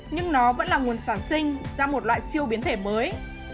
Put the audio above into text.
nhưng nó vẫn là nguồn sản sinh ra một loại siêu biến thể mới